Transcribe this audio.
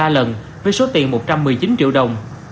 một mươi ba lần với số tiền một trăm một mươi chín triệu đồng